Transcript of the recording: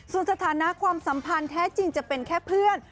ส่วนสถานะความสัมพันธ์แท้จริงจะเป็นแค่เพื่อน